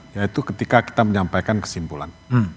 yaitu ketika kita menyampaikan kesimpulan